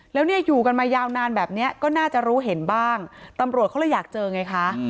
แล้วเนี่ยอยู่กันมายาวนานแบบนี้ก็น่าจะรู้เห็นบ้างตำรวจเขาเลยอยากเจอไงคะ